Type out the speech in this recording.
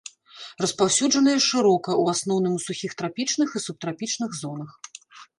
Распаўсюджаныя шырока, у асноўным у сухіх трапічных і субтрапічных зонах.